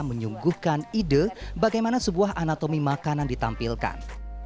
menyungguhkan ide bagaimana sebuah anatomi makanan ditampilkan